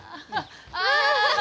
ああ！